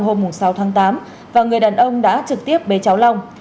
hôm sáu tháng tám và người đàn ông đã trực tiếp bế cháu long